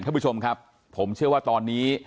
ท่านผู้ชมครับผมเชื่อว่าตอนนี้